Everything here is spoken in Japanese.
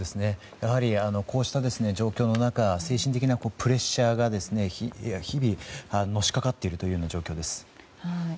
やはり、こうした状況の中精神的なプレッシャーが日々のしかかっているという状況です。